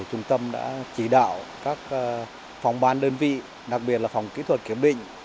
trung tâm đã chỉ đạo các phòng ban đơn vị đặc biệt là phòng kỹ thuật kiểm định